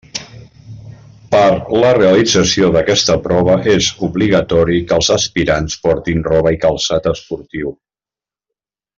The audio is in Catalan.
Per la realització d'aquesta prova és obligatori que els aspirants portin roba i calçat esportiu.